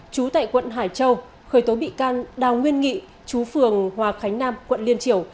chú tại quận hải châu khởi tố bị can đào nguyên nghị chú phường hòa khánh nam quận liên triều